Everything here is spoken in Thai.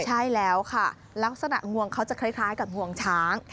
ใช่แล้วค่ะลักษณะงวงเขาจะคล้ายกับงวงช้าง